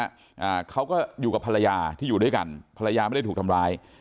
อ่าเขาก็อยู่กับภรรยาที่อยู่ด้วยกันภรรยาไม่ได้ถูกทำร้าย